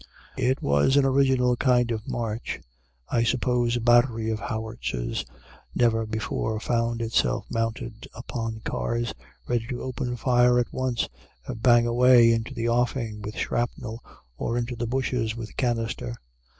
It was an original kind of march. I suppose a battery of howitzers never before found itself mounted upon cars, ready to open fire at once and bang away into the offing with shrapnel or into the bushes with canister.